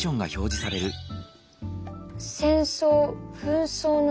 「戦争・紛争の原因」。